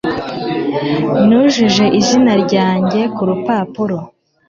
Nujuje izina ryanjye kurupapuro